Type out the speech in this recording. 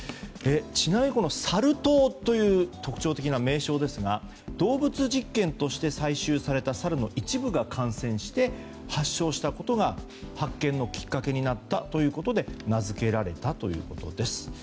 ちなみにサル痘という特徴的な名称ですが動物実験として採集されたサルの一部が感染して、発症したことが発見のきっかけになったということでということで名付けられたということです。